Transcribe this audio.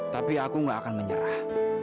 tapi aku gak akan menyerah